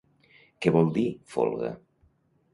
Què vol dir folga?